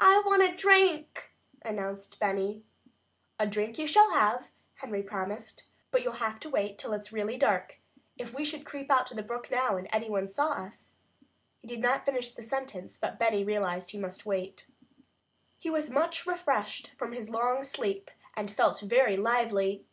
"I want a drink," announced Benny. "A drink you shall have," Henry promised, "but you'll have to wait till it's really dark. If we should creep out to the brook now, and any one saw us " He did not finish his sentence, but Benny realized that he must wait. He was much refreshed from his long sleep, and felt very lively.